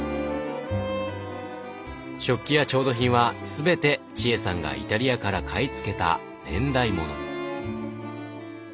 食器や調度品は全て千恵さんがイタリアから買い付けた年代もの。